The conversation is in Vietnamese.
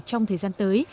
trong thời gian tới